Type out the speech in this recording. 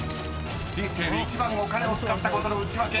［人生で一番お金を使ったことのウチワケ］